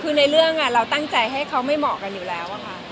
คือในเรื่องเราตั้งใจให้เขาไม่เหมาะกันอยู่แล้วค่ะ